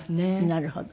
なるほど。